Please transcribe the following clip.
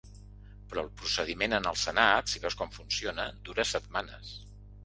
Però el procediment en el senat, si veus com funciona, dura setmanes.